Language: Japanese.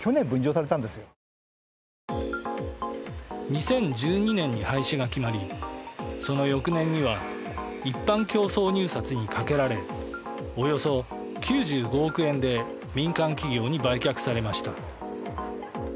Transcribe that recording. ２０１２年に廃止が決まりその翌年には一般競争入札にかけられおよそ９５億円で民間企業に売却されました。